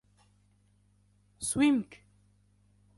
سٌويمْكَ